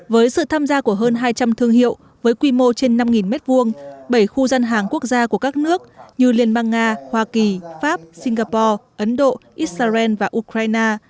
với sự tham gia của hơn hai trăm linh thương hiệu với quy mô trên năm m hai bảy khu dân hàng quốc gia của các nước như liên bang nga hoa kỳ pháp singapore ấn độ israel và ukraine